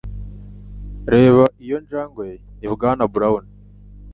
Reba iyo njangwe. Ni Bwana Brown.